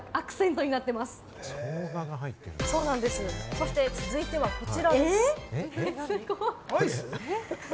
そして続いては、こちらです。